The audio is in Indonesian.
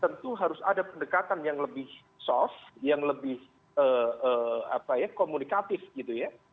tentu harus ada pendekatan yang lebih soft yang lebih komunikatif gitu ya